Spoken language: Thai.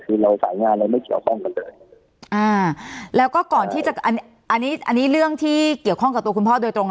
ซึ่งเราฝ่ายงานเราไม่เกี่ยวข้องกันเลย